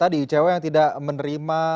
tadi icw yang tidak menerima